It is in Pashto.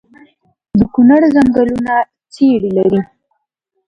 د کونړ ځنګلونه څیړۍ لري؟